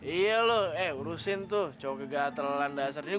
iya lo eh urusin tuh cowoknya gatelan dasarnya